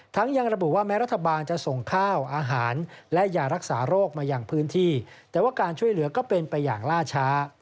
ยังระบุว่าแม้รัฐบาลจะส่งข้าวอาหารและยารักษาโรคมาอย่างพื้นที่แต่ว่าการช่วยเหลือก็เป็นไปอย่างล่าช้า